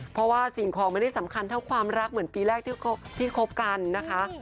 เพราะว่าสิ่งของไม่ได้สำคัญเท่าความรักเหมือนปีแรกที่คบกันนะคะ